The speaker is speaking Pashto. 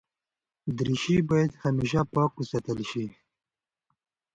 دریشي باید همېشه پاک وساتل شي.